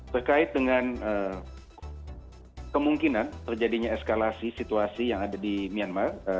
terkait dengan kemungkinan terjadinya eskalasi situasi yang ada di myanmar